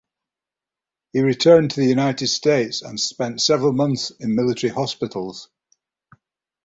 He returned to the United States and spent several months in military hospitals.